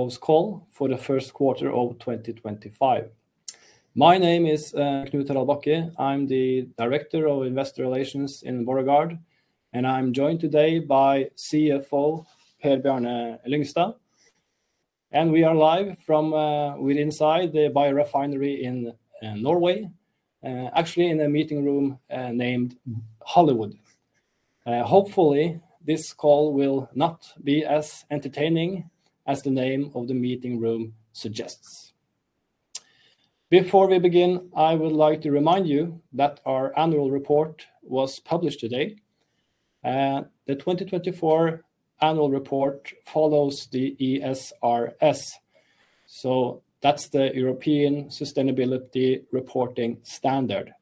Close call for the first quarter of 2025. My name is Knut-Harald Bakke. I'm the Director of Investor Relations in Borregaard, and I'm joined today by CFO Per Bjarne Lyngstad. We are live from inside the biofefinery in Norway, actually in a meeting room named Hollywood. Hopefully, this call will not be as entertaining as the name of the meeting room suggests. Before we begin, I would like to remind you that our annual report was published today. The 2024 annual report follows the ESRS, so that's the European Sustainability Reporting Standard.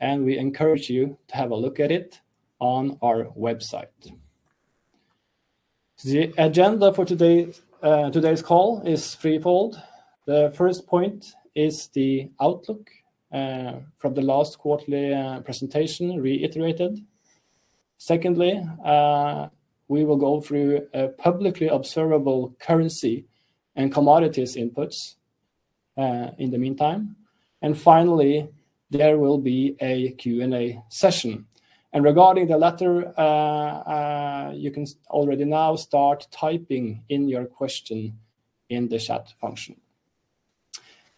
We encourage you to have a look at it on our website. The agenda for today's call is threefold. The first point is the outlook from the last quarterly presentation reiterated. Secondly, we will go through publicly observable currency and commodities inputs in the meantime. Finally, there will be a Q&A session. Regarding the letter, you can already now start typing in your question in the chat function.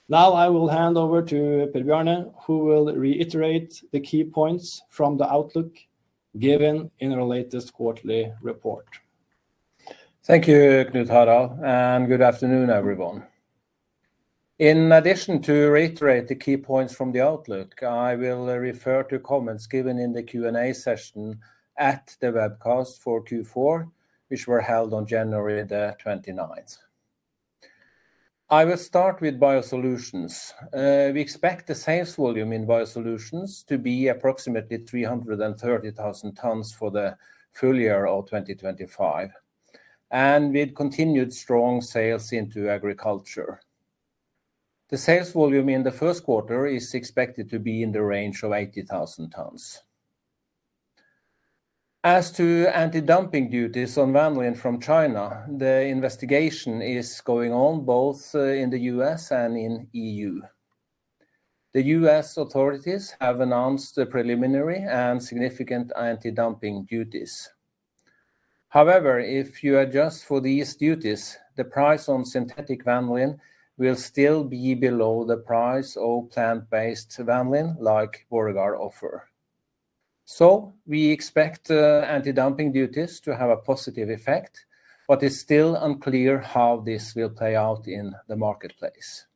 Now I will hand over to Per Bjarne, who will reiterate the key points from the outlook given in our latest quarterly report. Thank you, Knut-Harald, and good afternoon, everyone. In addition to reiterate the key points from the outlook, I will refer to comments given in the Q&A session at the webcast for Q4, which were held on January 29. I will start with biosolutions. We expect the sales volume in biosolutions to be approximately 330,000 tons for the full year of 2025, and with continued strong sales into agriculture. The sales volume in the first quarter is expected to be in the range of 80,000 tons. As to anti-dumping duties on vanillin from China, the investigation is going on both in the U.S. and in the E.U. The U.S. authorities have announced preliminary and significant anti-dumping duties. However, if you adjust for these duties, the price on synthetic vanillin will still be below the price of plant-based vanillin like Borregaard offer. We expect anti-dumping duties to have a positive effect, but it's still unclear how this will play out in the marketplace.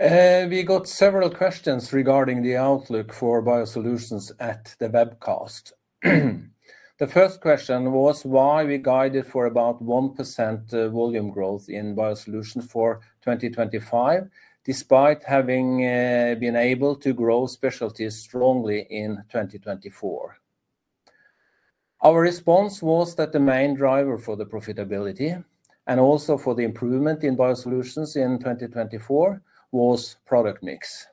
We got several questions regarding the outlook for biosolutions at the webcast. The first question was why we guided for about 1% volume growth in biosolutions for 2025, despite having been able to grow specialties strongly in 2024. Our response was that the main driver for the profitability and also for the improvement in biosolutions in 2024 was product mix,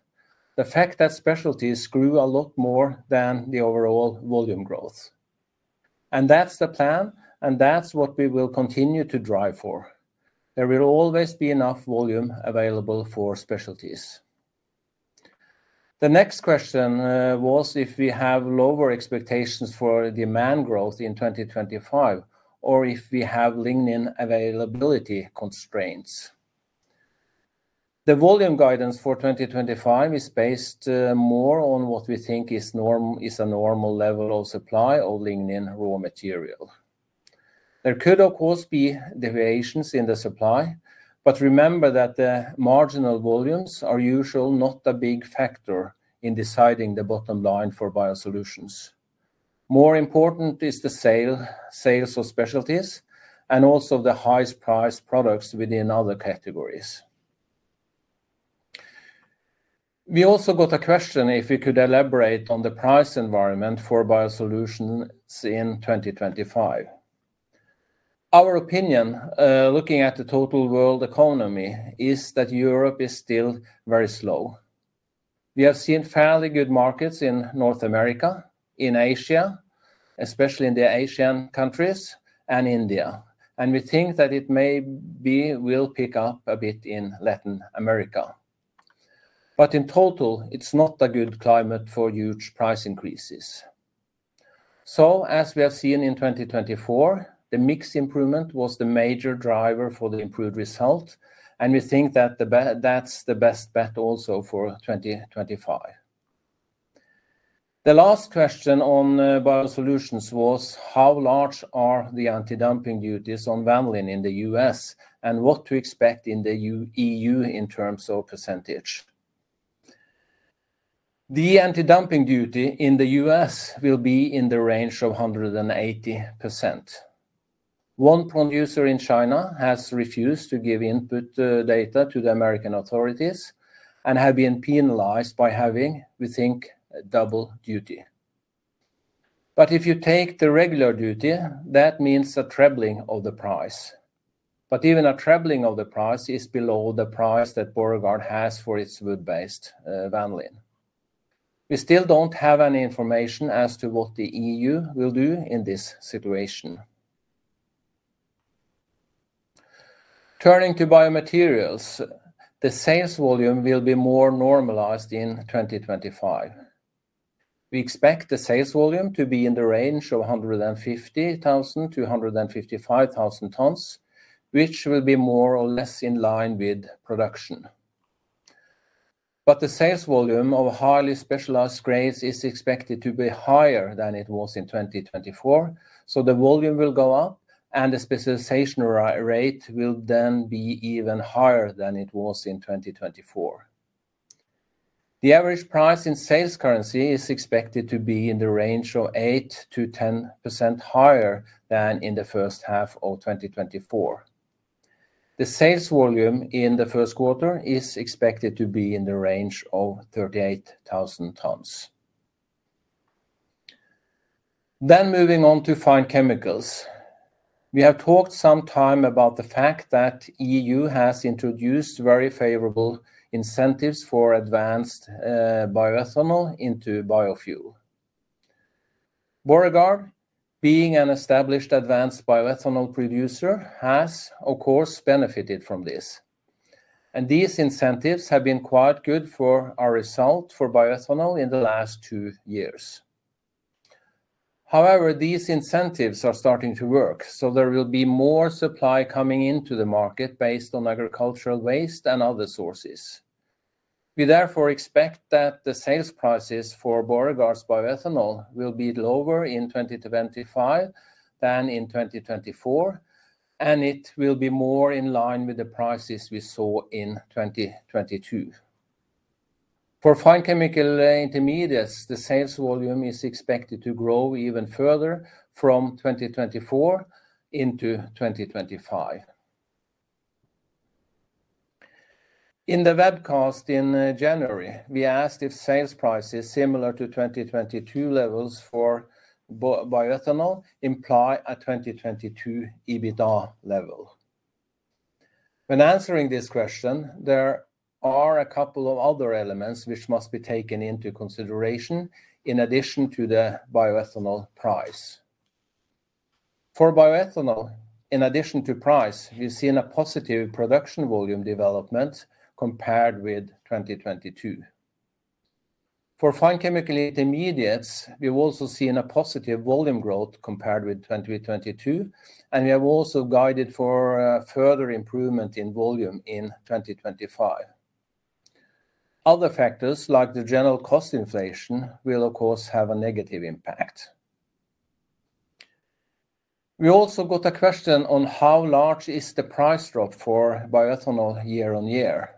the fact that specialties grew a lot more than the overall volume growth. That's the plan, and that's what we will continue to drive for. There will always be enough volume available for specialties. The next question was if we have lower expectations for demand growth in 2025 or if we have lignin availability constraints. The volume guidance for 2025 is based more on what we think is a normal level of supply of lignin raw material. There could, of course, be deviations in the supply, but remember that the marginal volumes are usually not a big factor in deciding the bottom line for biosolutions. More important is the sales of specialties and also the highest priced products within other categories. We also got a question if we could elaborate on the price environment for biosolutions in 2025. Our opinion, looking at the total world economy, is that Europe is still very slow. We have seen fairly good markets in North America, in Asia, especially in the ASEAN countries, and India. We think that it maybe will pick up a bit in Latin America. In total, it is not a good climate for huge price increases. As we have seen in 2024, the mix improvement was the major driver for the improved result, and we think that that's the best bet also for 2025. The last question on biosolutions was how large are the anti-dumping duties on vanillin in the U.S. and what to expect in the E.U. in terms of percentage. The anti-dumping duty in the U.S. will be in the range of 180%. One producer in China has refused to give input data to the American authorities and has been penalized by having, we think, double duty. If you take the regular duty, that means a trebling of the price. Even a trebling of the price is below the price that Borregaard has for its wood-based vanillin. We still do not have any information as to what the E.U. will do in this situation. Turning to biomaterials, the sales volume will be more normalized in 2025. We expect the sales volume to be in the range of 150,000-155,000 tons, which will be more or less in line with production. The sales volume of highly specialized grades is expected to be higher than it was in 2024, so the volume will go up, and the specialization rate will then be even higher than it was in 2024. The average price in sales currency is expected to be in the range of 8%-10% higher than in the first half of 2024. The sales volume in the first quarter is expected to be in the range of 38,000 tons. Moving on to fine chemicals. We have talked some time about the fact that the E.U. has introduced very favorable incentives for advanced bioethanol into biofuel. Borregaard, being an established advanced bioethanol producer, has, of course, benefited from this. These incentives have been quite good for our result for bioethanol in the last two years. However, these incentives are starting to work, so there will be more supply coming into the market based on agricultural waste and other sources. We therefore expect that the sales prices for Borregaard's bioethanol will be lower in 2025 than in 2024, and it will be more in line with the prices we saw in 2022. For fine chemical intermediates, the sales volume is expected to grow even further from 2024 into 2025. In the webcast in January, we asked if sales prices similar to 2022 levels for bioethanol imply a 2022 EBITDA level. When answering this question, there are a couple of other elements which must be taken into consideration in addition to the bioethanol price. For bioethanol, in addition to price, we've seen a positive production volume development compared with 2022. For fine chemical intermediates, we've also seen a positive volume growth compared with 2022, and we have also guided for further improvement in volume in 2025. Other factors, like the general cost inflation, will, of course, have a negative impact. We also got a question on how large the price drop for bioethanol year on year.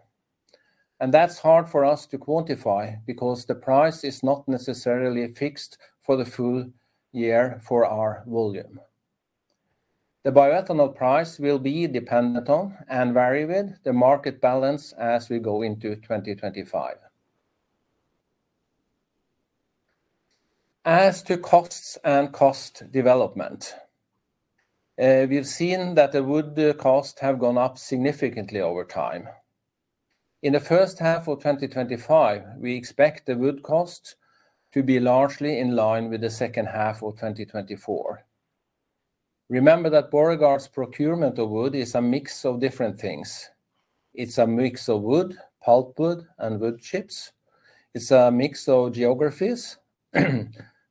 That's hard for us to quantify because the price is not necessarily fixed for the full year for our volume. The bioethanol price will be dependent on and vary with the market balance as we go into 2025. As to costs and cost development, we've seen that the wood costs have gone up significantly over time. In the first half of 2025, we expect the wood costs to be largely in line with the second half of 2024. Remember that Borregaard's procurement of wood is a mix of different things. It's a mix of wood, pulp wood, and wood chips. It's a mix of geographies.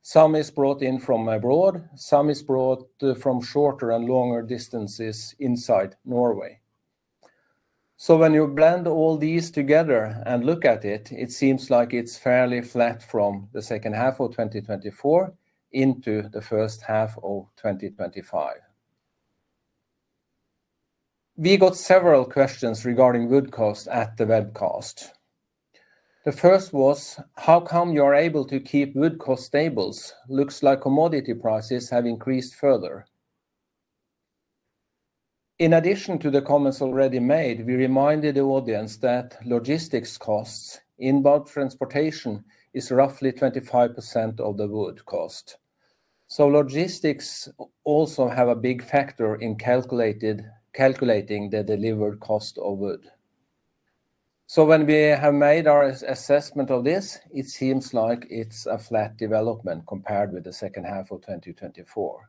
Some is brought in from abroad. Some is brought from shorter and longer distances inside Norway. When you blend all these together and look at it, it seems like it's fairly flat from the second half of 2024 into the first half of 2025. We got several questions regarding wood costs at the webcast. The first was, how come you are able to keep wood costs stable? It looks like commodity prices have increased further. In addition to the comments already made, we reminded the audience that logistics costs inbound transportation is roughly 25% of the wood cost. Logistics also have a big factor in calculating the delivered cost of wood. When we have made our assessment of this, it seems like it's a flat development compared with the second half of 2024.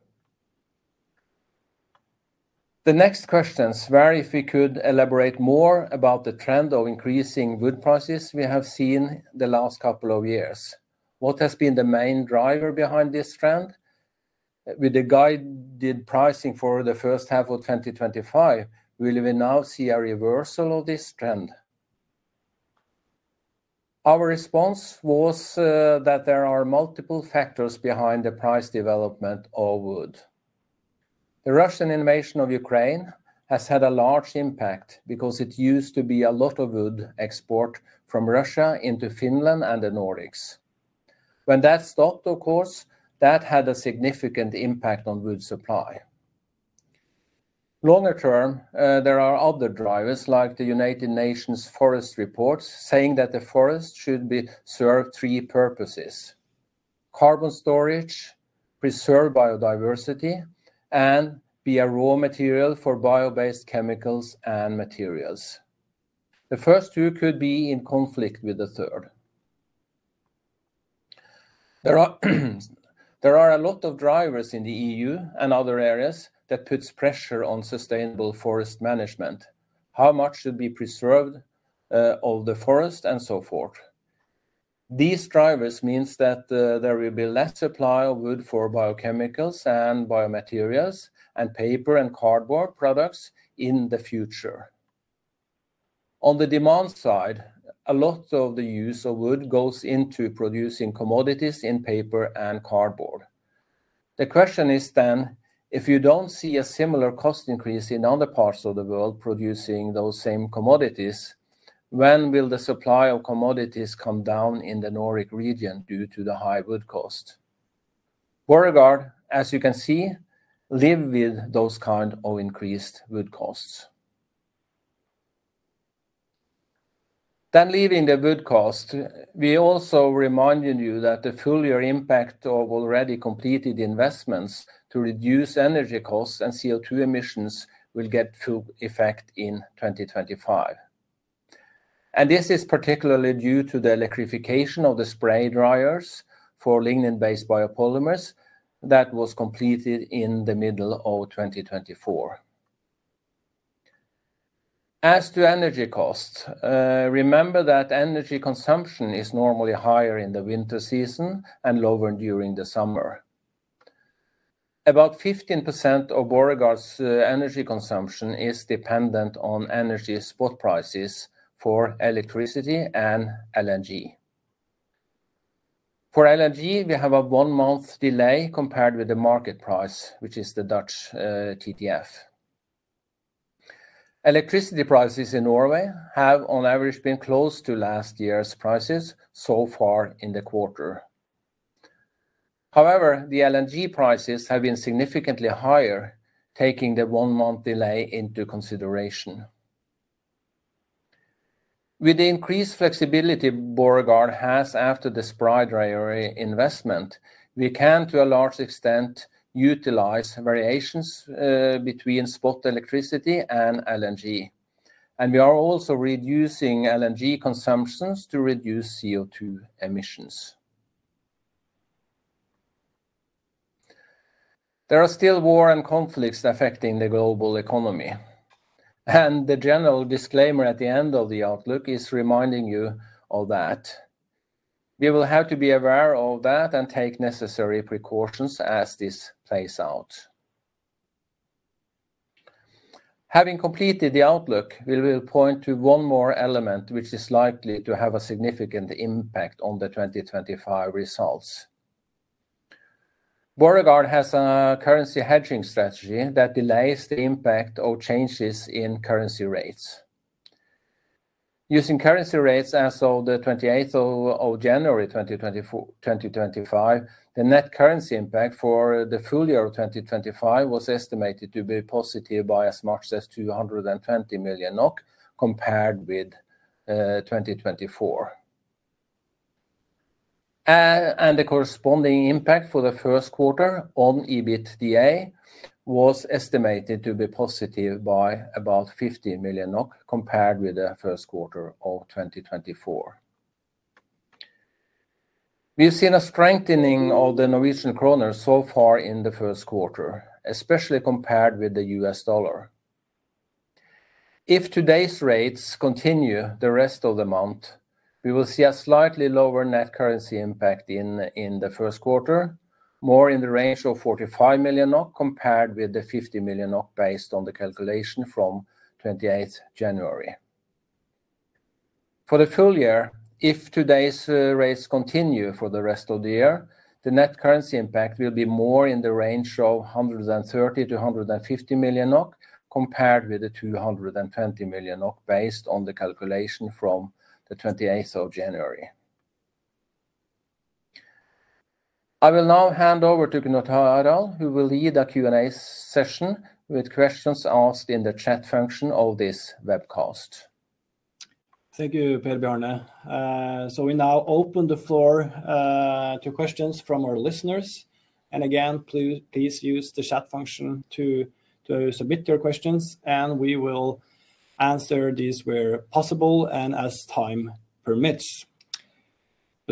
The next question is where if we could elaborate more about the trend of increasing wood prices we have seen the last couple of years. What has been the main driver behind this trend? With the guided pricing for the first half of 2025, will we now see a reversal of this trend? Our response was that there are multiple factors behind the price development of wood. The Russian invasion of Ukraine has had a large impact because it used to be a lot of wood export from Russia into Finland and the Nordics. When that stopped, of course, that had a significant impact on wood supply. Longer term, there are other drivers like the United Nations Forest Report saying that the forest should serve three purposes: carbon storage, preserve biodiversity, and be a raw material for bio-based chemicals and materials. The first two could be in conflict with the third. There are a lot of drivers in the E.U. and other areas that put pressure on sustainable forest management. How much should be preserved of the forest and so forth? These drivers mean that there will be less supply of wood for biochemicals and biomaterials and paper and cardboard products in the future. On the demand side, a lot of the use of wood goes into producing commodities in paper and cardboard. The question is then, if you do not see a similar cost increase in other parts of the world producing those same commodities, when will the supply of commodities come down in the Nordic region due to the high wood cost? Borregaard, as you can see, lives with those kinds of increased wood costs. Leaving the wood cost, we also reminded you that the full year impact of already completed investments to reduce energy costs and CO2 emissions will get full effect in 2025. This is particularly due to the electrification of the spray dryers for lignin-based biopolymer that was completed in the middle of 2024. As to energy costs, remember that energy consumption is normally higher in the winter season and lower during the summer. About 15% of Borregaard's energy consumption is dependent on energy spot prices for electricity and LNG. For LNG, we have a one-month delay compared with the market price, which is the Dutch TTF. Electricity prices in Norway have on average been close to last year's prices so far in the quarter. However, the LNG prices have been significantly higher, taking the one-month delay into consideration. With the increased flexibility Borregaard has after the spray dryer investment, we can to a large extent utilize variations between spot electricity and LNG. We are also reducing LNG consumptions to reduce CO2 emissions. There are still war and conflicts affecting the global economy. The general disclaimer at the end of the outlook is reminding you of that. We will have to be aware of that and take necessary precautions as this plays out. Having completed the outlook, we will point to one more element which is likely to have a significant impact on the 2025 results. Borregaard has a currency hedging strategy that delays the impact of changes in currency rates. Using currency rates as of the 28th of January 2025, the net currency impact for the full year of 2025 was estimated to be positive by as much as 220 million NOK compared with 2024. The corresponding impact for the first quarter on EBITDA was estimated to be positive by about 15 million NOK compared with the first quarter of 2024. We've seen a strengthening of the Norwegian kroner so far in the first quarter, especially compared with the US dollar. If today's rates continue the rest of the month, we will see a slightly lower net currency impact in the first quarter, more in the range of 45 million NOK compared with the 50 million NOK based on the calculation from 28 January. For the full year, if today's rates continue for the rest of the year, the net currency impact will be more in the range of 130 million-150 million NOK compared with the 220 million NOK based on the calculation from the 28th of January. I will now hand over to Knut-Harald, who will lead a Q&A session with questions asked in the chat function of this webcast. Thank you, Per Bjarne. We now open the floor to questions from our listeners. Again, please use the chat function to submit your questions, and we will answer these where possible and as time permits.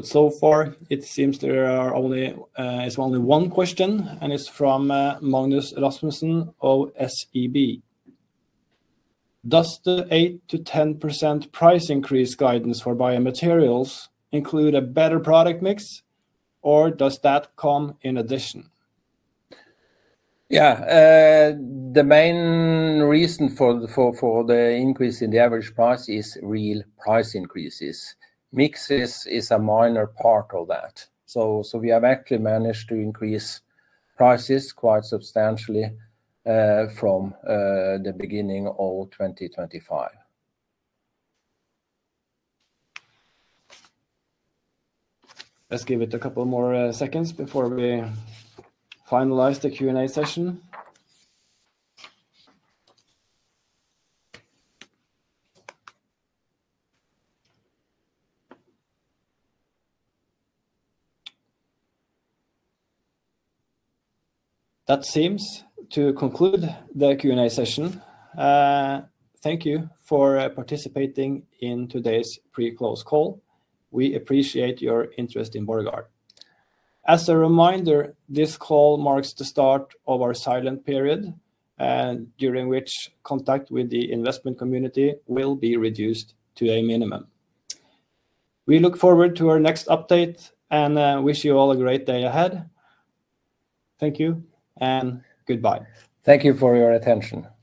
So far, it seems there is only one question, and it is from Magnus Rasmussen of SEB. Does the 8%-10% price increase guidance for biomaterials include a better product mix, or does that come in addition? Yeah, the main reason for the increase in the average price is real price increases. Mix is a minor part of that. We have actually managed to increase prices quite substantially from the beginning of 2025. Let's give it a couple more seconds before we finalize the Q&A session. That seems to conclude the Q&A session. Thank you for participating in today's pre-close call. We appreciate your interest in Borregaard. As a reminder, this call marks the start of our silent period, during which contact with the investment community will be reduced to a minimum. We look forward to our next update and wish you all a great day ahead. Thank you and goodbye. Thank you for your attention.